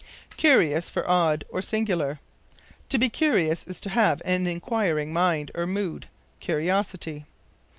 Curious for Odd, or Singular. To be curious is to have an inquiring mind, or mood curiosity.